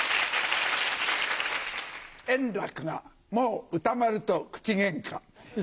円楽はもう歌丸と口げんか。